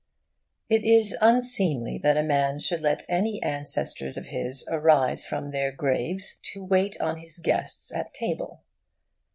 It is unseemly that a man should let any ancestors of his arise from their graves to wait on his guests at table.